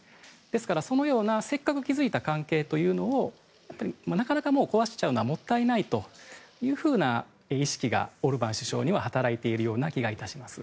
ですから、そのようなせっかく築いた関係というのをなかなか壊しちゃうのはもったいないという意識がオルバン首相には働いているような気がします。